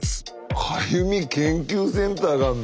かゆみ研究センターがあるの？